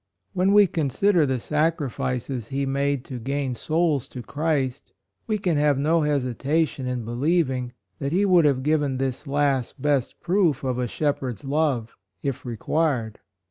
When we con sider the sacrifices he made to gain souls to Christ, we can have no hes itation in believing that he would have given this last best proof of a shepherd's love if required.